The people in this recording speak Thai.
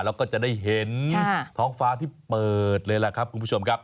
แล้วก็จะได้เห็นท้องฟ้าที่เปิดเลยล่ะครับคุณผู้ชมครับ